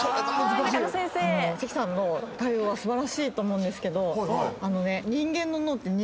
関さんの対応は素晴らしいと思うんですけどあのね。